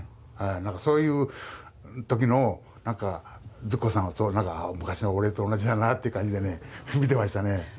そういう時のなんかズッコさんを昔の俺と同じだなっていう感じでね見てましたね。